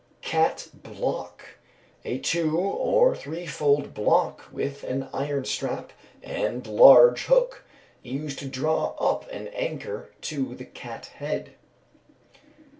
_ Cat block. A two or threefold block with an iron strap and large hook, used to draw up an anchor to the cat head.